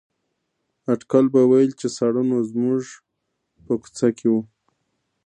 اټکل به ویل چې ساړه نو زموږ په کوڅه کې وو.